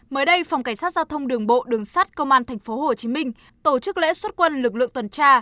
mới đây phòng cảnh sát giao thông đường bộ đường sát công an tp hcm tổ chức lễ xuất quân lực lượng tuần tra